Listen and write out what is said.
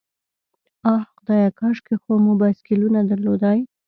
آه خدایه، کاشکې خو مو بایسکلونه درلودای.